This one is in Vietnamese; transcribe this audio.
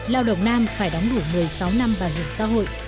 lao động nam phải đóng đủ một mươi sáu năm bảo hiểm xã hội